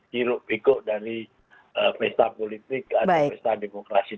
ciruk bikuk dari pesta politik atau pesta di dunia